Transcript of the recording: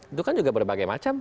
itu kan juga berbagai macam